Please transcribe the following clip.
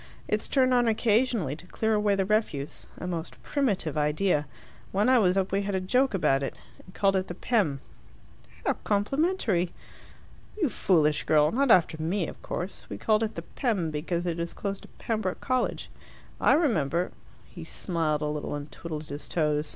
It's turned on occasionally to clear away the refuse a most primitive idea. When I was up we had a joke about it, and called it the 'Pem.'" "How complimentary!" "You foolish girl, not after me, of course. We called it the 'Pem' because it is close to Pembroke College. I remember " He smiled a little, and twiddled his toes.